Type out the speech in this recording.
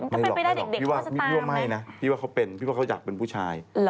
ไม่หรอกพี่ว่าไม่นะพี่ว่าเขาเป็นเพราะว่าเขาอยากเป็นผู้ชาย